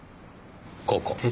ここ。